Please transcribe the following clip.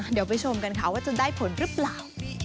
เดี๋ยวไปชมกันค่ะว่าจะได้ผลหรือเปล่า